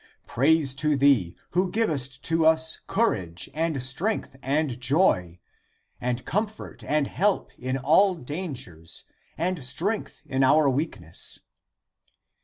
Praise to thee, who givest to us courage and strength and joy, and comfort and help in all dan gers and strength in our weakness."